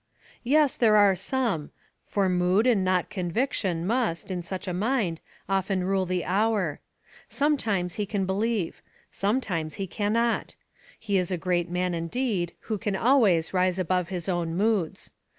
"Yes, there are some; for mood and not conviction must, in such a mind, often rule the hour. Sometimes he can believe; sometimes he cannot: he is a great man indeed who can always rise above his own moods!